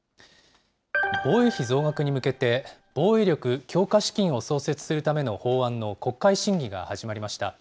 防衛費増額に向けて、防衛力強化資金を創設するための法案の国会審議が始まりました。